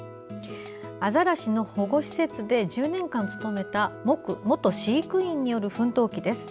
アザラシの保護施設で１０年間勤めた元飼育員による奮闘記です。